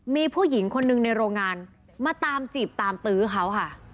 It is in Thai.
มีผู้หญิงคนหนึ่งในโรงงานมาตามจีบตามตื้อเขาค่ะ